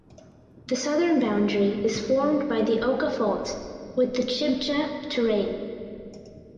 The southern boundary is formed by the Oca Fault with the Chibcha Terrane.